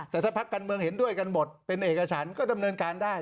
แต่ถ้าพักการเมืองเห็นด้วยกันหมดเป็นเอกฉันก็ดำเนินการได้